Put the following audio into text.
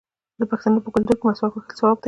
د پښتنو په کلتور کې د مسواک وهل ثواب دی.